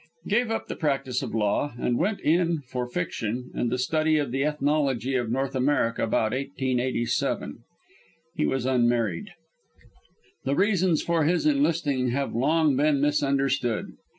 Gave up the practice of law and "went in" for fiction and the study of the ethnology of North America about 1887. He was unmarried. The reasons for his enlisting have long been misunderstood.